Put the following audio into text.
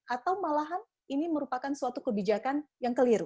atau malahan ini merupakan suatu kebijakan yang keliru